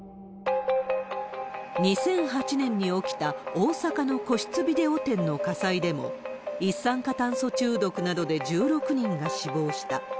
２００８年に起きた大阪の個室ビデオ店の火災でも、一酸化炭素中毒などで１６人が死亡した。